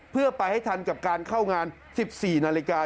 เพื่อไปให้ทันกับการเข้างาน๑๔นาฬิกา